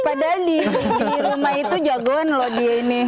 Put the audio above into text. padahal di rumah itu jagoan loh dia ini